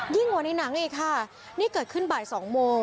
ยิ่งกว่านี้หนักเองค่ะนี่เกิดขึ้นบ่าย๒ตร